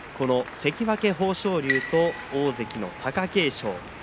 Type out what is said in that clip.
関脇豊昇龍と大関の貴景勝です。